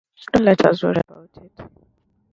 Don't let us worry about it.